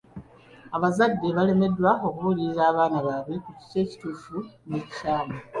Abazadde balemeddwa okubuulirira abaana baabwe ku kiki ekituufu n'ekikyamu.